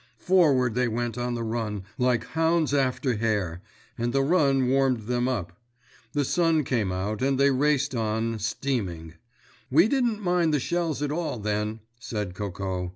Forward they went on the run like hounds after hare, and the run warmed them up. The sun came out and they raced on, steaming. "We didn't mind the shells at all, then," said Coco.